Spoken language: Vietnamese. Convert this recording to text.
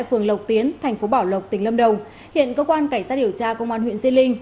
phường lộc tiến thành phố bảo lộc tỉnh lâm đồng hiện cơ quan cảnh sát điều tra công an huyện diên linh